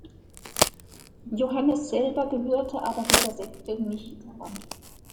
Johannes selber gehörte aber dieser Sekte nicht an.